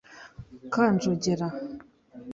‘Kanjogera’